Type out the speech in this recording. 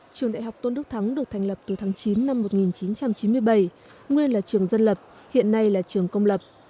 trường đại học tôn đức thắng được thành lập từ tháng chín năm một nghìn chín trăm chín mươi bảy nguyên là trường dân lập hiện nay là trường công lập